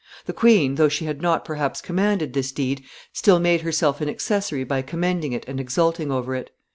The queen, though she had not, perhaps, commanded this deed, still made herself an accessory by commending it and exulting over it.